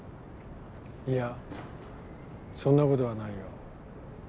いやそんなことはないよ。